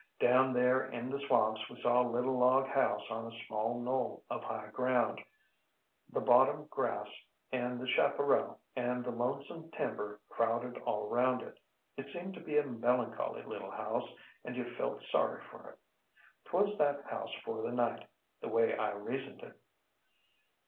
Down there in the swamps we saw a little log house on a small knoll of high ground. The bottom grass and the chaparral and the lonesome timber crowded all around it. It seemed to be a melancholy little house, and you felt sorry for it. ŌĆÖTwas that house for the night, the way I reasoned it.